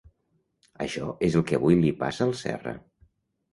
Això és el que avui li passa al Serra.